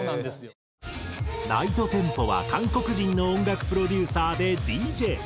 ＮｉｇｈｔＴｅｍｐｏは韓国人の音楽プロデューサーでＤＪ。